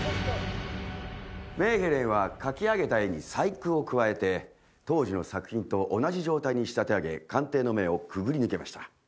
メーヘレンは描き上げた絵に細工を加えて当時の作品と同じ状態に仕立て上げ鑑定の目をくぐり抜けました